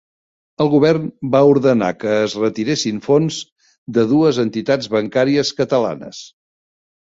El govern va ordenar que es retiressin fons de dues entitats bancàries catalanes